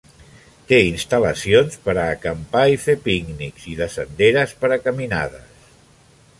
Té instal·lacions per a acampar i fer pícnics i de senderes per a caminades.